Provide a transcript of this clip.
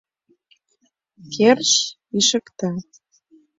Керш ишыкта.